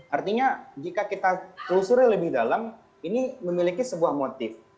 artinya jika kita telusuri lebih dalam ini memiliki sebuah motif